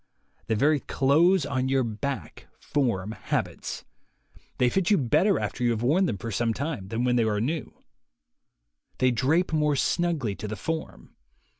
The very clothes on your back form habits: they fit you better after 64 THE WAY TO WILL POWER you have worn them for some time than when they are new ; they drape more snugly to the form.